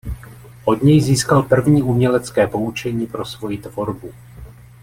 Od něj získal první umělecké poučení pro svoji tvorbu.